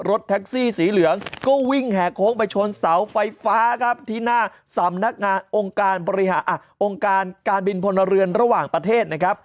รถแท็กซี่สีเหลืองก็วิ่งแห่โค้งไปชนเสาไฟฟ้าครับที่หน้าสำนักงานองค์การบริหารองค์การการบินพลเรือนระหว่างประเทศนะครับ